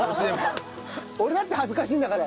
俺だって恥ずかしいんだから。